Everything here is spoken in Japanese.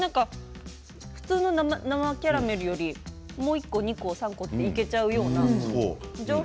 普通の生キャラメルよりもう１個、２個、３個といけてしまうような感じ。